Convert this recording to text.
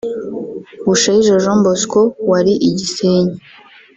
Bushayija Jean Bosco (wari i Gisenyi)